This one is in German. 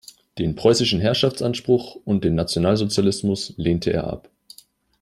Den preußischen Herrschaftsanspruch und den Nationalsozialismus lehnte er ab.